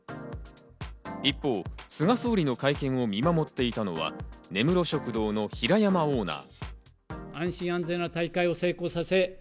一方、菅総理の会見を見守っていたのが根室食堂の平山オーナー。